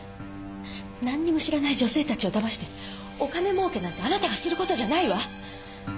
何にも知らない女性たちをだましてお金もうけなんてあなたがすることじゃないわ！